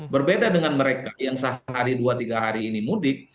berbeda dengan mereka yang sehari dua tiga hari ini mudik